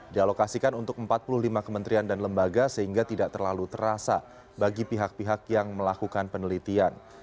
dialokasikan untuk empat puluh lima kementerian dan lembaga sehingga tidak terlalu terasa bagi pihak pihak yang melakukan penelitian